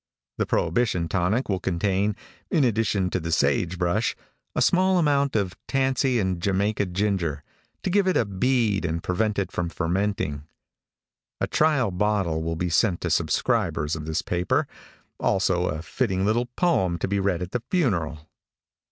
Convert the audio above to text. The prohibition tonic will contain, in addition to the sage brush, a small amount of tansy and Jamaica ginger, to give it a bead and prevent it from fermenting. A trial bottle will be sent to subscribers of this paper, also a fitting little poem to be read at the funeral.